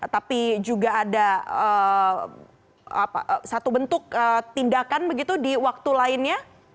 tapi juga ada satu bentuk tindakan begitu di waktu lainnya